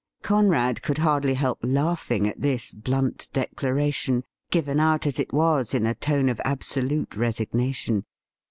Conrad could hardly help laughing at this blunt declara tion, given out as it was in a tone of absolute resignation.